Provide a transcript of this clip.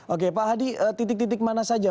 oke pak hadi titik titik mana saja